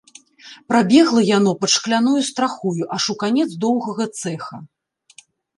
Прабегла яно пад шкляною страхою аж у канец доўгага цэха.